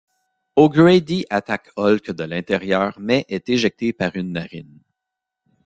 O'Grady attaque Hulk de l'intérieur mais est éjecté par une narine.